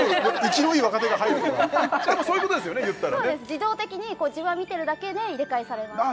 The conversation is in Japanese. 自動的に自分は見てるだけで入れ替えされます